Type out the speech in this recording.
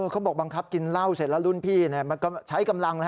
เขาบอกบังคับกินเหล้าเสร็จแล้วรุ่นพี่มันก็ใช้กำลัง